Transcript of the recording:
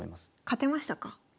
勝てましたか？